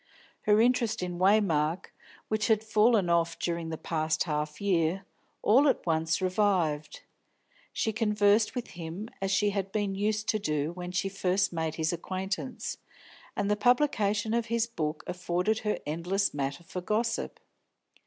Her interest in Waymark, which had fallen off during the past half year, all at once revived; she conversed with him as she had been used to do when she first made his acquaintance, and the publication of his book afforded her endless matter for gossip.